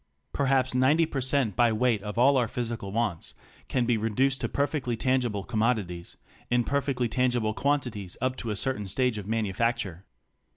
Perhaps 90 per cent by weight of all our physical wants can be reduced to perfectly tangible commodities, in per fectly tangible quantities up to a certain stage of manufac ture.